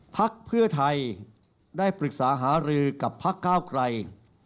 พักเพื่อไทยได้ปรึกษาหารือกับพักก้าวไกร